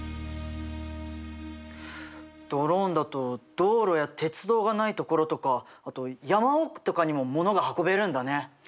ドローンだと道路や鉄道がないところとかあと山奥とかにもものが運べるんだね。